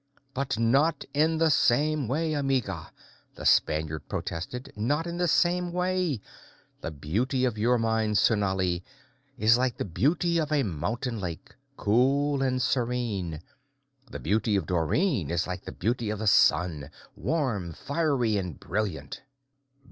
"But not in the same way, amiga!" the Spaniard protested. "Not in the same way. The beauty of your mind, Sonali, is like the beauty of a mountain lake, cool and serene; the beauty of Dorrine is like the beauty of the sun warm, fiery, and brilliant."